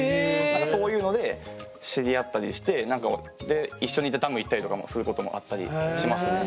そういうので知り合ったりしてで一緒に行ってダム行ったりとかもすることもあったりしますね。